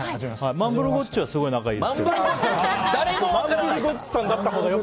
マンブルゴッチはすごい仲良いですけど。